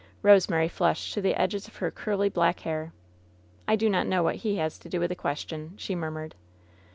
Eosemary flushed to the edges of her curly black hair. "I do not know what he has to do with the question,*' she murmured.